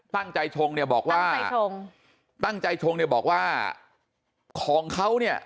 ตั้งใจชงเนี้ยบอกว่าตั้งใจชงตั้งใจชงเนี้ยบอกว่าของเขาเนี้ย